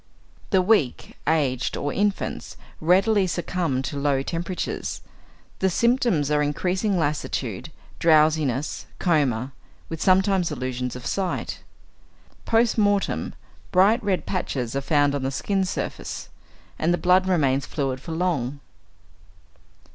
= The weak, aged, or infants, readily succumb to low temperatures. The symptoms are increasing lassitude, drowsiness, coma, with sometimes illusions of sight. Post mortem, bright red patches are found on the skin surface, and the blood remains fluid for long.